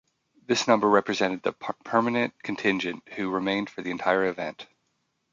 This number represented the permanent contingent who remained for the entire event.